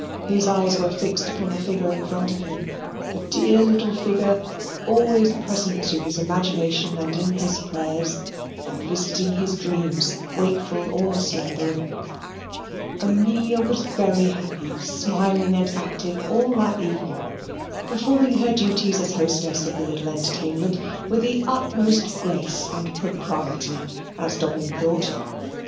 His eyes were fixed upon the figure in front of him the dear little figure always present to his imagination and in his prayers, and visiting his dreams wakeful or slumbering. Amelia was very happy, smiling, and active all that evening, performing her duties as hostess of the little entertainment with the utmost grace and propriety, as Dobbin thought.